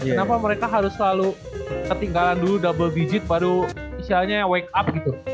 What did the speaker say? kenapa mereka harus selalu ketinggalan dulu double digit baru istilahnya wake up gitu